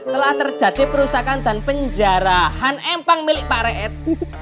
telah terjadi perusahaan dan penjarahan empang milik pak re'et